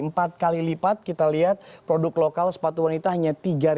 empat kali lipat kita lihat produk lokal sepatu wanita hanya tiga empat ratus enam puluh empat